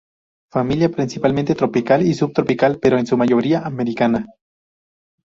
Familia principalmente tropical y subtropical, pero en su mayoría americana.